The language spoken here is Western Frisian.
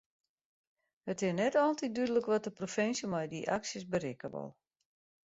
It is net altyd dúdlik wat de provinsje met dy aksjes berikke wol.